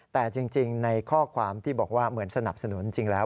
แต่จริงในข้อความที่บอกว่าเหมือนสนับสนุนจริงแล้ว